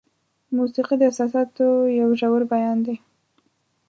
موسیقي د احساساتو یو ژور بیان دی.